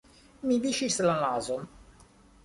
Mi viŝis la nazon.